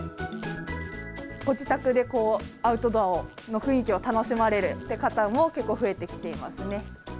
ご自宅でアウトドアの雰囲気を楽しまれるっていう方も、結構増えてきていますね。